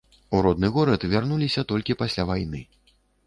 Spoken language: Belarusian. У родны горад вярнуліся толькі пасля вайны.